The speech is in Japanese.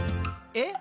「え？